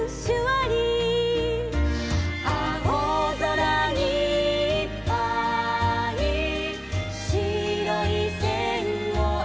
「あおぞらにいっぱいしろいせんをえがいて」